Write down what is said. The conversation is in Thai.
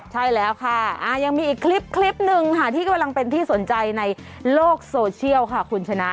ใช่แล้วค่ะยังมีอีกคลิปหนึ่งค่ะที่กำลังเป็นที่สนใจในโลกโซเชียลค่ะคุณชนะ